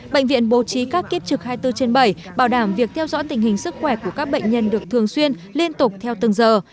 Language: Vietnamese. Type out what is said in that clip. bệnh viện bố trí các kiếp trực hai mươi bốn trên bảy bảo đảm việc theo dõi tình hình sức khỏe của các bệnh nhân được thường xuyên liên tục theo từng giờ